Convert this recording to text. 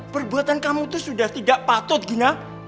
perbuatan kamu itu sudah tidak patut gina